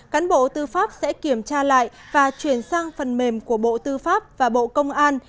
cán bộ tư pháp sẽ kiểm tra lại và chuyển sang phần mềm của bộ tư pháp và bộ công an